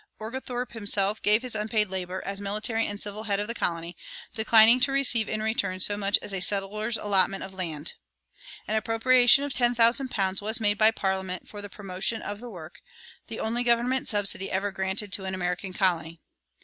Oglethorpe himself gave his unpaid labor as military and civil head of the colony, declining to receive in return so much as a settler's allotment of land. An appropriation of ten thousand pounds was made by Parliament for the promotion of the work the only government subsidy ever granted to an American colony.